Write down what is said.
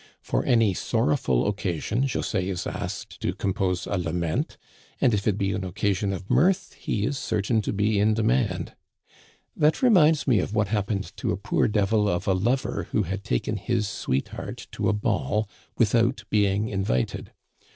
For any sorrowful occasion José is asked to compose a lament ; and if it be an occasion of mirth he is certain to be in demand. That reminds me of what happened to a poor devil of a lover who had taken his sweetheart to a ball without being invited.